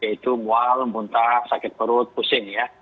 yaitu mual muntah sakit perut pusing ya